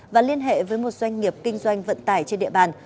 và liên hệ với một doanh nghiệp kinh doanh vận tải trên địa bàn